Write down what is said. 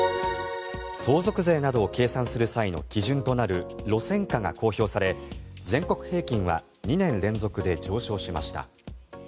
相続税などを計算する際の基準となる路線価が公表され、全国平均は２年連続で上昇しました。